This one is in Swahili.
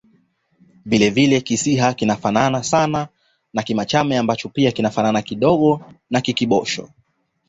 Vile vile Kisiha kinafanana sana na Kimachame ambacho pia kinafanana kidogo na Kikibosho